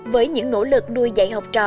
với những nỗ lực nuôi dạy học trò